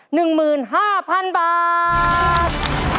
๑หมื่น๕พันบาท